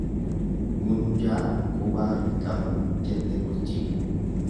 Gunjaa qubaa hin qabnu, jette qurciin.